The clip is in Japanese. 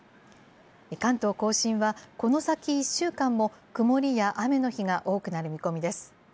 関東甲信は、この先１週間も、曇りや雨の日が多くなる見込みです。